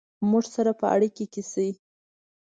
مونږ سره په اړیکه کې شئ